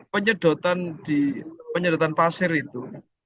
penyedotan pasir itu